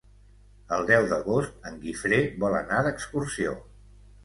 El deu d'agost en Guifré vol anar d'excursió.